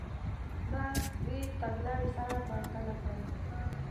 دا دوې تګ لارې سره پرتله کړئ.